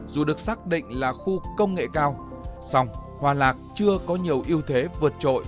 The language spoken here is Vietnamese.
dù được xác định là khu công nghệ cao song hòa lạc chưa có nhiều ưu thế vượt trội